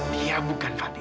dia bukan fadil